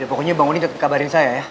pokoknya bangunin tetep kabarin saya ya